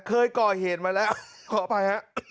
เคยก่อเหตุมาแล้วขออภัยฮะ